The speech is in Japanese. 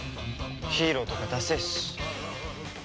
ヒーローとかだせえし。